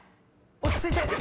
落ち着いて。